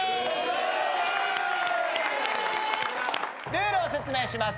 ルールを説明します。